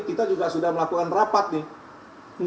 kita juga sudah melakukan rapat nih